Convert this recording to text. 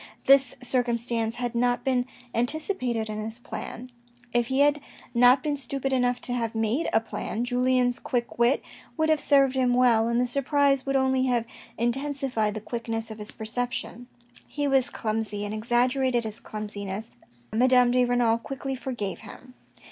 This circumstance had not been anticipated in his plan. If he had not been stupid enough to have made a plan, Julien's quick wit would have served him well, and the surprise would only have intensified the quickness of his perception. He was clumsy, and exaggerated his clumsiness, Madame de Renal quickly forgave him.